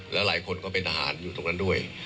แล้วหลายคนก็เป็นทหารอยู่ตรงนั้นด้วย